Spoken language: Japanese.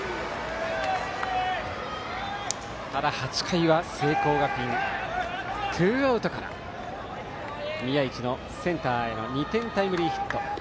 ただ、８回は聖光学院ツーアウトから宮一のセンターへの２点タイムリーヒット。